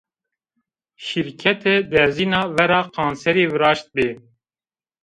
Şîrkete derzîna vera kanserî viraştbî